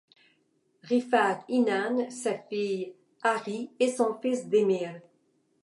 Rıfat İnan, sa fille Arı et son fils Demir.